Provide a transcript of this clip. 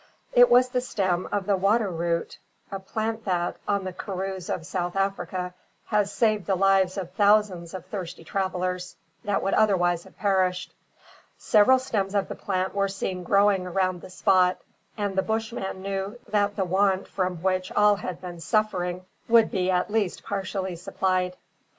It was the stem of the water root, a plant that, on the karroos of South Africa, has saved the lives of thousands of thirsty travellers, that would otherwise have perished. Several stems of the plant were seen growing around the spot, and the Bushman knew that the want from which all had been suffering, would be at least partially supplied.